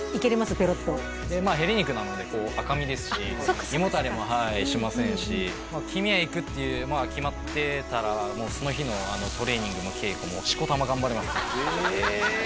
ペロッとヘレ肉なので赤身ですし胃もたれもしませんしきみや行くって決まってたらその日のトレーニングも稽古もしこたま頑張れますええ